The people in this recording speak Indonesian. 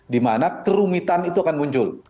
dimana kerumitan itu akan muncul